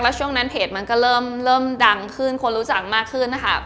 ช่วงนั้นเพจมันก็เริ่มดังขึ้นคนรู้จักมากขึ้นนะคะ